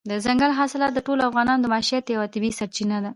دځنګل حاصلات د ټولو افغانانو د معیشت یوه طبیعي سرچینه ده.